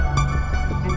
tidak ada yang bisa dikira